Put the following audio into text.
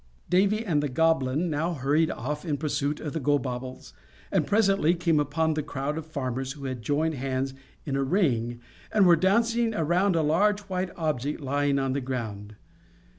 Davy and the Goblin now hurried off in pursuit of Gobobbles, and presently came upon the crowd of farmers who had joined hands in a ring, and were dancing around a large white object lying on the ground.